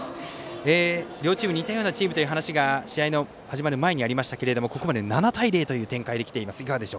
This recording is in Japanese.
両チーム似たようなチームという話がありましたがここまで７対０という展開できています。